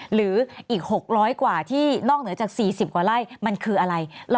หรืออีก๖๐๐กว่าที่นอกเหนือจาก๔๐กว่าไร่มันคืออะไร